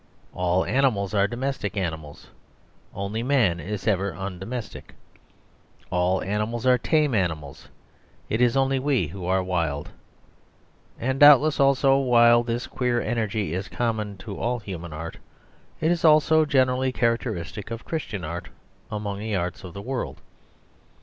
All animals are domestic animals; only man is ever undomestic. All animals are tame animals; it is only we who are wild. And doubtless, also, while this queer energy is common to all human art, it is also generally characteristic of Christian art among the arts of the world.